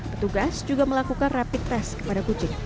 petugas juga melakukan rapid test kepada kucing